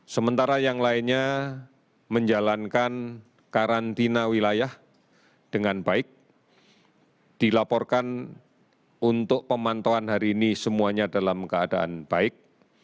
sementara yang lainnya menjalankan karantina wilayah dengan baik dilaporkan untuk pemantauan hari ini semuanya dalam keadaan baik